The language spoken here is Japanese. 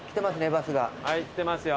バスが。来てますよ。